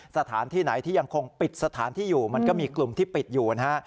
สถานที่ไหนที่ยังคงปิดสถานที่อยู่มันก็มีกลุ่มที่ปิดอยู่นะฮะ